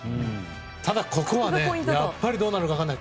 ただ、ここはやっぱりどうなるか分からない。